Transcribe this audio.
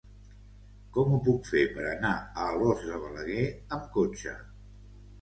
Com ho puc fer per anar a Alòs de Balaguer amb cotxe?